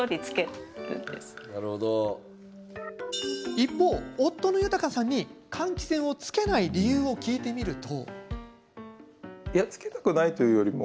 一方、夫の裕さんに換気扇をつけない理由を聞いてみると。